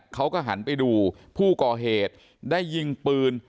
เขาก็หันไปดูผู้ก่อเหตุได้ยิงปืน